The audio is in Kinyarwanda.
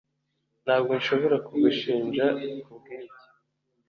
ntabwo nshobora kugushinja kubwibyo